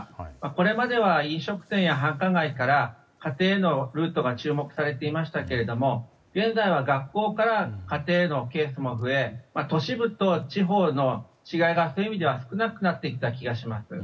これまでは飲食店や繁華街から家庭へのルートが注目されていましたけれども現在は学校から家庭へのケースも増え都市部と地方の違いがそういう意味では少なくなってきた気がします。